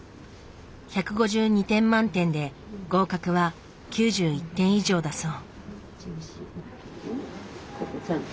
１５２点満点で合格は９１点以上だそう。